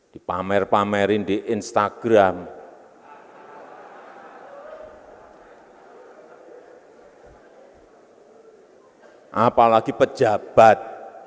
dipamer pamerin di instagram apalagi pejabat